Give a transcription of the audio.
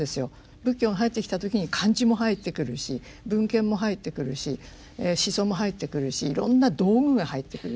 仏教が入った時に漢字も入ってくるし文献も入ってくるし思想も入ってくるしいろんな道具が入ってくるし。